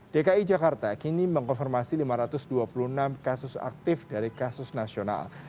dki jakarta kini mengkonfirmasi lima ratus dua puluh enam kasus aktif dari kasus nasional